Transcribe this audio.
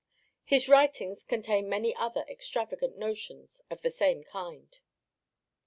His writings contain many other extravagant notions of the same kind.